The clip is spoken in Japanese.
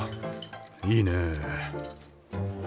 いいねぇ。